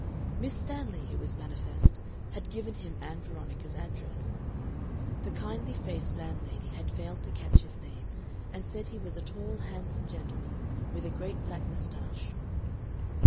Miss Stanley, it was manifest, had given him Ann Veronica's address. The kindly faced landlady had failed to catch his name, and said he was a tall, handsome gentleman with a great black mustache.